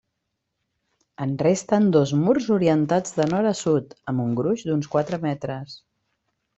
En resten dos murs orientats de nord a sud amb un gruix d'uns quatre metres.